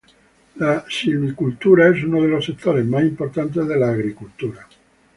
La silvicultura es uno de los sectores más importantes de la agricultura.